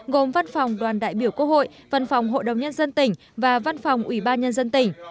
gồm văn phòng đoàn đại biểu quốc hội văn phòng hội đồng nhân dân tỉnh và văn phòng ủy ban nhân dân tỉnh